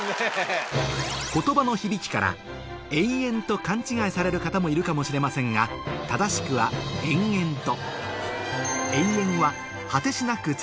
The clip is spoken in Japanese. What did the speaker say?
言葉の響きから「永遠」と勘違いされる方もいるかもしれませんが正しくは「延々と」